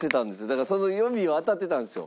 だからその読みは当たってたんですよ。